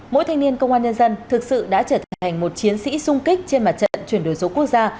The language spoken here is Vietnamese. mỗi thanh niên công an nhân dân thực sự đã trở thành một chiến sĩ sung kích trên mặt trận chuyển đổi số quốc gia